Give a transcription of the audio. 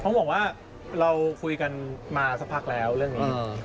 เขาบอกว่าเราคุยกันมาสักพักแล้วเรื่องนี้